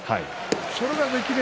それができれ